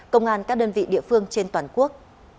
công an các đơn vị địa phương trên toàn quốc